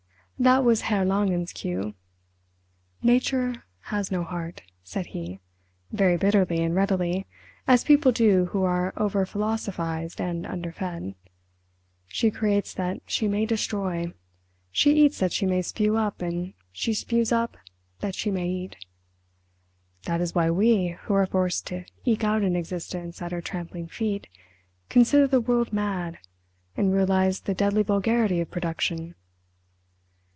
That was Herr Langen's cue. "Nature has no heart," said he, very bitterly and readily, as people do who are over philosophised and underfed. "She creates that she may destroy. She eats that she may spew up and she spews up that she may eat. That is why we, who are forced to eke out an existence at her trampling feet, consider the world mad, and realise the deadly vulgarity of production."